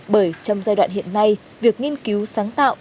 bởi trong giai đoạn hiện nay việc nghiên cứu sáng tạo